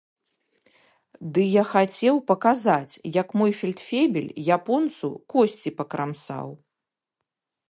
Ды я хацеў паказаць, як мой фельдфебель японцу косці пакрамсаў.